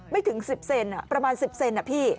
ไม่ถึง๑๐เซนประมาณ๑๐เซน